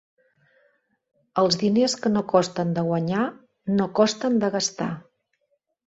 Els diners que no costen de guanyar, no costen de gastar.